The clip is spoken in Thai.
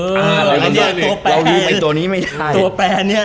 เราลืมตัวนี้ไม่ได้